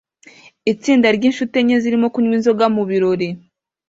Itsinda ryinshuti enye zirimo kunywa inzoga mubirori